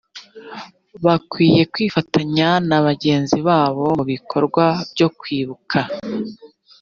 bakwiye kwifatanya na bagenzi babo mu bikorwa byo kwibuka